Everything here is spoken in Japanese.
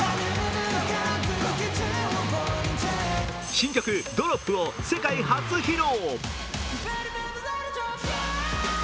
新曲「ＤＲＯＰ」を世界初披露。